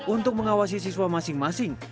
untuk mengawasi siswa masing masing